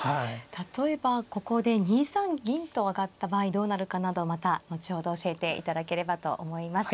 例えばここで２三銀と上がった場合どうなるかなどまた後ほど教えていただければと思います。